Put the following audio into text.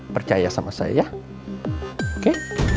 percaya sama saya oke